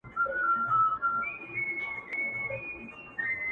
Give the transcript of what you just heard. • پکښي بند سول د مرغانو وزرونه ,